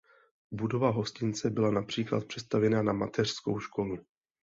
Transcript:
Budova hostince byla například přestavěna na mateřskou školu.